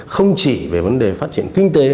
không chỉ về vấn đề phát triển kinh tế